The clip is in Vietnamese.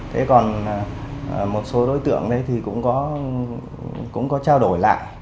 thế còn một số đối tượng đấy thì cũng có trao đổi lại